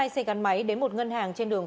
hai xe gắn máy đến một ngân hàng trên đường